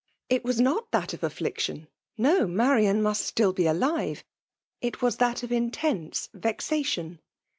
It was not that of affliction, — no !— ^Marian must be still alive ;— it was that of intense vexation.